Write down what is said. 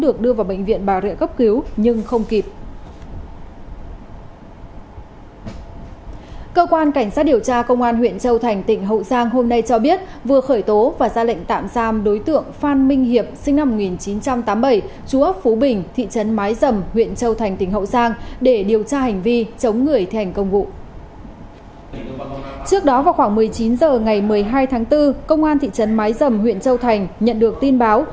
trước đó vào khoảng một mươi chín h ngày một mươi hai tháng bốn công an thị trấn mái dầm huyện châu thành nhận được tin báo